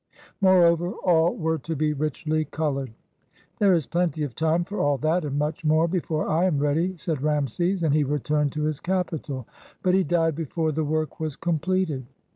Moreover, all were to be richly colored. "There is plenty of time for all that and much more before I am ready," said Rameses, and he returned to his capital. But he died before the work was completed.